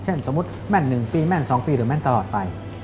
สมมุติแม่น๑ปีแม่น๒ปีหรือแม่นตลอดไป